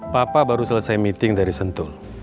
papa baru selesai meeting dari sentul